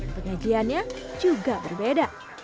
penyajiannya juga berbeda